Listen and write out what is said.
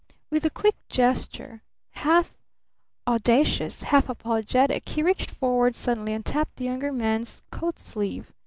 With a quick gesture, half audacious, half apologetic, he reached forward suddenly and tapped the Younger Man's coat sleeve.